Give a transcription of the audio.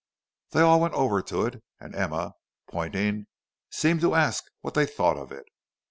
They all went over to it, and Emma, pointing, seemed to ask what they thought of it.